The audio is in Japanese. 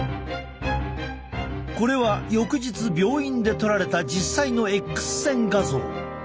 これは翌日病院で撮られた実際のＸ線画像。